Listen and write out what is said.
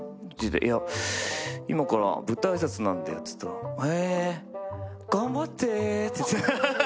いや、今から舞台挨拶なんだよって言ったら、へえ、頑張ってって。